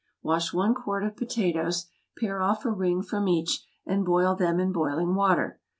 Wash one quart of potatoes, pare off a ring from each, and boil them in boiling water.